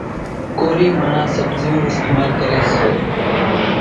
ڪورِي ماڻۿان سٻزِيوُن اِستمال ڪريَ سي۔